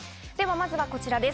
まずはこちらです。